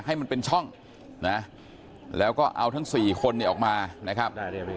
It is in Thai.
ให้มันเป็นช่องนะแล้วก็เอาทั้ง๔คนเนี่ยออกมานะครับ